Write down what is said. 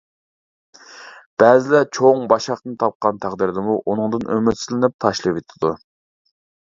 بەزىلەر چوڭ باشاقنى تاپقان تەقدىردىمۇ، ئۇنىڭدىن ئۈمىدسىزلىنىپ تاشلىۋېتىدۇ.